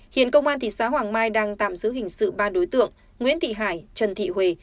hiện công an thị xã hoàng mai đang tạm giữ hình sự ba đối tượng nguyễn thị hải trần thị huê